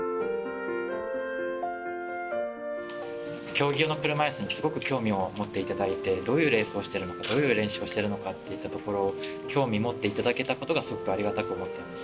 競技用の車いすにすごく興味を持っていただいてどういうレースをしてるのかどういう練習をしてるのかといったところを興味持っていただけたことがすごくありがたく思っています。